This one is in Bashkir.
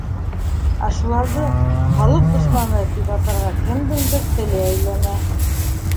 Ә шуларҙы «халыҡ дошманы» тип атарға кемдеңдер теле әйләнә...